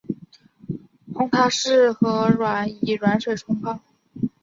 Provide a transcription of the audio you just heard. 红茶适合以软水冲泡。